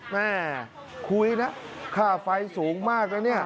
แม่คุยนะค่าไฟสูงมากนะเนี่ย